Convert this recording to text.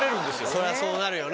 そりゃそうなるよね。